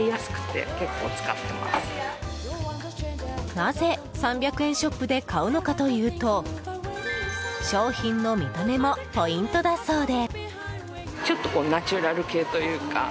なぜ、３００円ショップで買うのかというと商品の見た目もポイントだそうで。